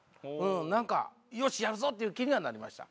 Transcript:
なんかよしやるぞという気にはなりました。